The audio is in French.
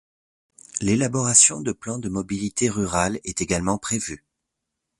L’élaboration de plans de mobilité rurale est également prévue.